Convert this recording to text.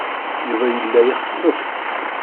Yuba yella ixessef.